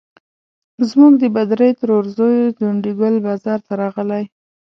زموږ د بدرۍ ترور زوی ځونډي ګل بازار ته راغلی.